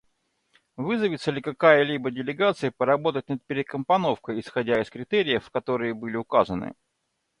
Вызовется ли какая-либо делегация поработать над перекомпоновкой исходя из критериев, которые были указаны?